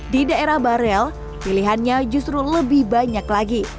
di daerah barel pilihannya justru lebih banyak lagi